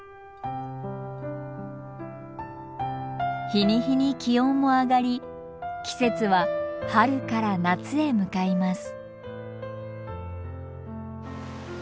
日に日に気温も上がり季節は春から夏へ向かいます。